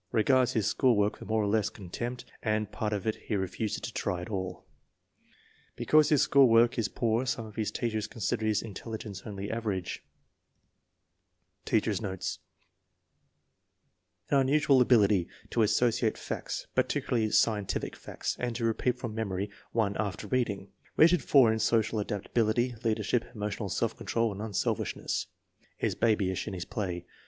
Regards his school work with more or less contempt and part of it he refuses to try at all. Because his school work is poor some of his teachers consider his intelligence only average. FORTY ONE SUPERIOR CHILDREN 243 Teacher's notes. An unusual ability to associate facts, particularly scientific facts, and to repeat from memory after one reading. Rated 4 in social adapta bility, leadership, emotional self control and unselfish ness. Is babyish in his play.